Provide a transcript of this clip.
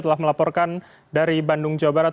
telah melaporkan dari bandung jawa barat